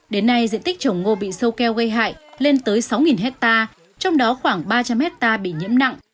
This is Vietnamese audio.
đến nay diện tích trồng ngô bị sâu keo gây hại lên tới sáu hectare trong đó khoảng ba trăm linh hectare bị nhiễm nặng